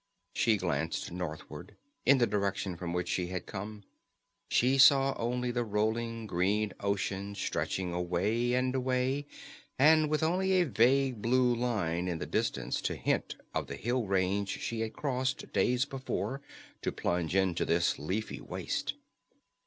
She glanced northward, in the direction from which she had come. She saw only the rolling green ocean stretching away and away, with only a vague blue line in the distance to hint of the hill range she had crossed days before, to plunge into this leafy waste.